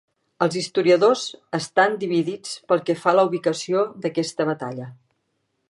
Els historiadors estan dividits pel que fa a la ubicació d'aquesta batalla.